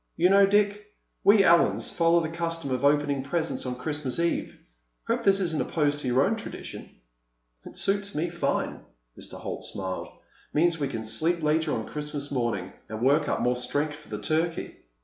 "You know, Dick, we Allens follow the custom of opening presents on Christmas Eve. Hope this isn't opposed to your own tradition." "It suits me fine." Mr. Holt smiled. "Means we can sleep later on Christmas morning—and work up more strength for the turkey."